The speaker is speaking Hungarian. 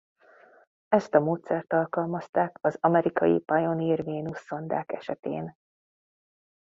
Ezt a módszert alkalmazták az amerikai Pioneer Vénusz-szondák esetén.